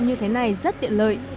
như thế này rất tiện lợi